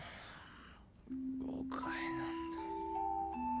誤解なんだ。